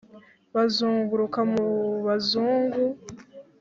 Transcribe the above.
Bazunguruka mu bazungu